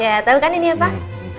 gakut kan ini ya pak